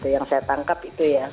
yang saya tangkap itu ya